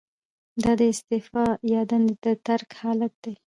دا د استعفا یا دندې د ترک حالت دی.